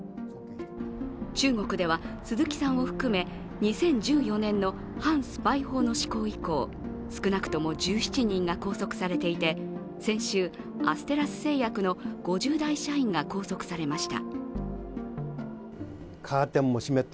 中国では、鈴木さんを含め２０１４年の反スパイ法の施行以降少なくとも１７人が拘束されていて先週、アステラス製薬の５０代社員が拘束されました。